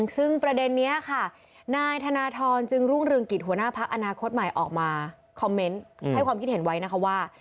ซึ่งประเด็นนี้ค่ะนายธนทรจึงรุ่งเรืองกิจหัวหน้าพักอนาคตใหม่ออกมาคอมเมนต์ให้ความคิดเห็นไว้นะคะว่า